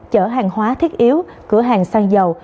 chở hàng hóa thiết yếu cửa hàng sang dầu